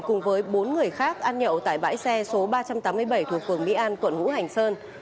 cùng với bốn người khác ăn nhậu tại bãi xe số ba trăm tám mươi bảy thuộc phường mỹ an quận ngũ hành sơn